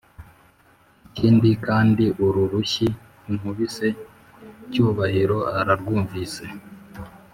ikindi kandi uru rushyi unkubise cyubahiro ararwumvise